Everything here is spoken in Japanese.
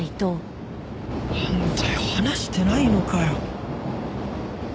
なんだよ話してないのかよ。